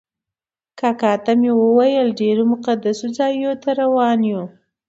کاکا ته مې وویل ډېرو مقدسو ځایونو ته روان یو.